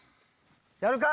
やるか？